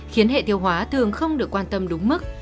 khiến hệ tiêu hóa thường không được quan tâm đúng mức